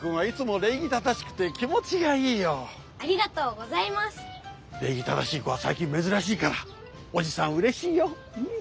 礼儀正しい子はさいきんめずらしいからおじさんうれしいようん。